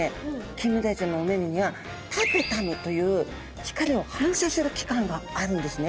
キンメダイちゃんのお目々にはタペタムという光を反射する器官があるんですね。